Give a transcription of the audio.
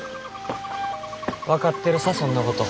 分かってるさそんなこと。